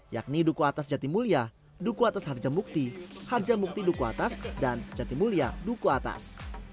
yakni duku atas jatimulya duku atas harjamukti harja mukti duku atas dan jatimulya duku atas